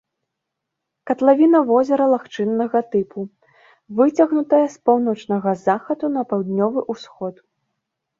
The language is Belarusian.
Катлавіна возера лагчыннага тыпу, выцягнутая з паўночнага захаду на паўднёвы ўсход.